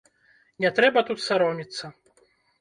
Не трэба тут саромецца.